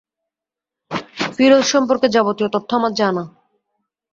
ফিরোজ সম্পর্কে যাবতীয় তথ্য আমার জানা।